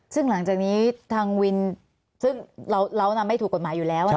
ซึ่งหลังจากนี้ทางวินซึ่งเรานำไม่ถูกกฎหมายอยู่แล้ว